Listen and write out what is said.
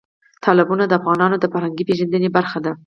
تالابونه د افغانانو د فرهنګي پیژندنې برخه ده.